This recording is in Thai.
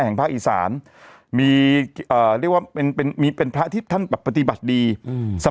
ภาคอีสานมีเอ่อเรียกว่าเป็นเป็นมีเป็นพระที่ท่านแบบปฏิบัติดีอืม